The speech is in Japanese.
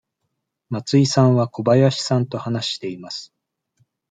松井さんは小林さんと話しています。